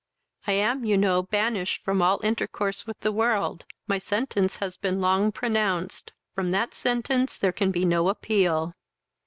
I am you know banished from all intercourse with the world; my sentence has been long pronounced; from that sentence there can be no appeal.